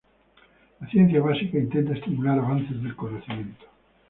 La ciencia básica intenta estimular avances de conocimiento.